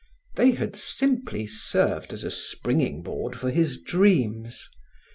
They had simply served as a springing board for his dreams.